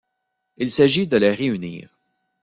Il s’agit de les réunir.